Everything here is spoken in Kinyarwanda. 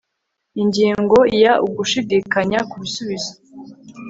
ingingo ya ugushidikanya ku bisubizo